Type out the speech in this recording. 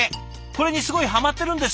これにすごいハマってるんですって。